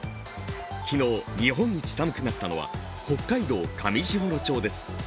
昨日、日本一寒くなったのは北海道上士幌町です。